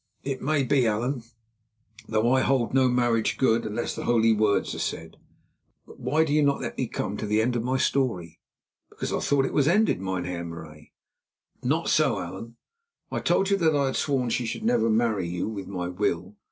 "It may be, Allan, though I hold no marriage good unless the holy words are said. But why do you not let me come to the end of my story?" "Because I thought it was ended, Mynheer Marais." "Not so, Allan. I told you that I had sworn that she should never marry you with my will.